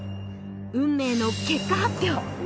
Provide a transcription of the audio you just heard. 運命の結果発表